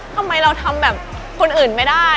ทำไมเราทำแบบคนอื่นไม่ได้